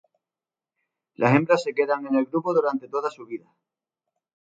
Las hembras se quedan en el grupo durante toda su vida.